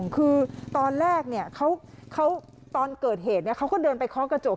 คือตอนแรกเนี้ยเขาเขาตอนเกิดเหตุเนี้ยเขาก็เดินไปคล้องกระจก